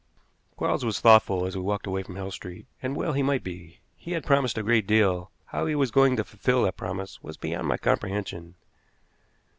Quarles was thoughtful as we walked away from Hill Street, and well he might be. He had promised a great deal, and how he was going to fulfil that promise was beyond my comprehension.